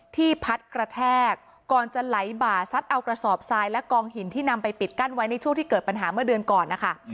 พัดกระแทกก่อนจะไหลบ่าซัดเอากระสอบทรายและกองหินที่นำไปปิดกั้นไว้ในช่วงที่เกิดปัญหาเมื่อเดือนก่อนนะคะ